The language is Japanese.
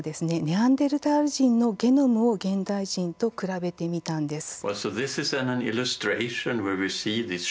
ネアンデルタール人のゲノムを現代人と比べてみたんです。